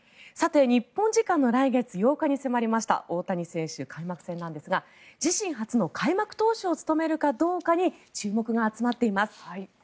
日本時間の来月８日に迫りました大谷選手、開幕戦なんですが自身初の開幕投手を務めるかどうかに注目が集まっています。